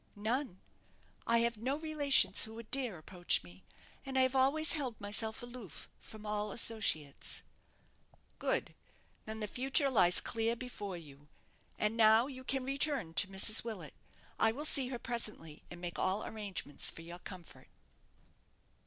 "None. I have no relations who would dare approach me, and I have always held myself aloof from all associates." "Good, then the future lies clear before you. And now you can return to Mrs. Willet. I will see her presently, and make all arrangements for your comfort."